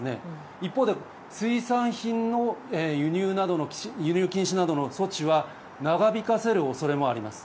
一方で水産品の輸入禁止などの措置は長引かせる恐れもあります。